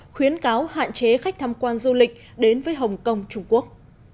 khuyến cáo hạn chế khách tham quan du lịch đến với hồng kông trung quốc